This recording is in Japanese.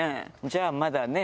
じゃあまだね。